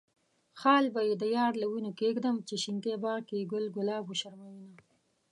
خال به د يار له وينو کيږدم، چې شينکي باغ کې ګل ګلاب وشرموينه.